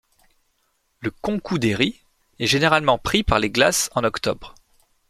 Le Konkouderi est généralement pris par les glaces en octobre.